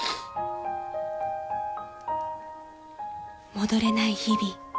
［戻れない日々］